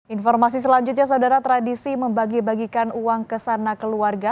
informasi selanjutnya saudara tradisi membagi bagikan uang ke sana keluarga